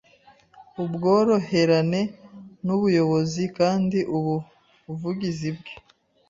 ubworoherane n’ubuyobozi kandi ubuvugizi bwe